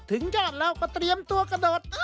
ถึงยอดแล้วก็เตรียมตัวกระโดด